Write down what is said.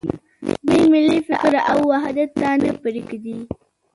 دوی ملي فکر او وحدت ته نه پرېږدي.